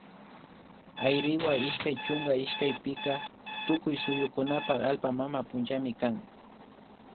Ayriwa ishkay chunka ishkay pika tukuy suyukunapak allpa mama punllami kan